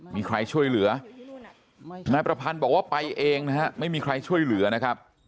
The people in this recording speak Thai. มีใครช่วยเหลือนายประพันธ์บอกว่าไปเองนะฮะไม่มีใครช่วยเหลือนะครับ